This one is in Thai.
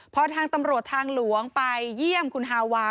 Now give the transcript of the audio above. พอทางตำรวจทางหลวงไปเยี่ยมคุณฮาวา